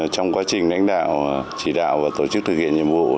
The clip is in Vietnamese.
trong quá trình đánh đạo chỉ đạo và tổ chức thực hiện nhiệm vụ